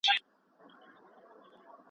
زما د زنې د سر خاله